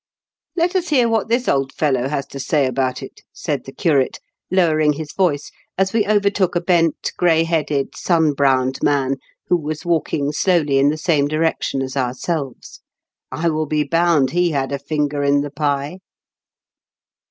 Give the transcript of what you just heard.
Let us hear what this old fellow has to say about it," said the curate, lowering his voice as we overtook a bent, gray headed, sun browned man, who was walking slowly in the same direction as ourselves. *' I will Be bound he had a finger in the pie."